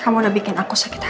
kamu udah bikin aku sakit